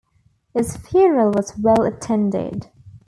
His funeral was well-attended.